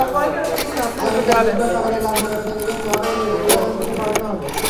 আগামীকাল বুধবার সকালে লাশ ময়নাতদন্তের জন্য নোয়াখালী মেডিকেল কলেজ হাসপাতালে পাঠানো হবে।